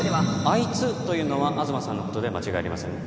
「アイツ」というのは東さんのことで間違いありませんね？